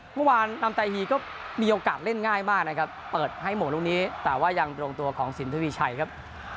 เมื่อวานลำไยฮีก็มีโอกาสเล่นง่ายมากนะครับเปิดให้หมดลูกนี้แต่ว่ายังตรงตัวของสินทวีชัยครับ